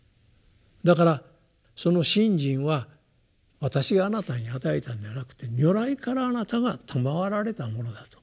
だからその信心は私があなたに与えたんではなくて如来からあなたがたまわられたものだと。